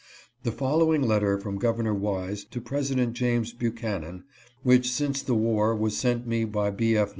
The following letter from Governor Wise to President James Buchanan (which since the war was sent me by B. F.